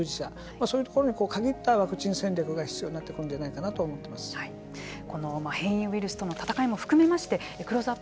そういうところに限ったワクチン戦略が必要になってくるんじゃないかなとこの変異ウイルスとの戦いも含めましてクローズアップ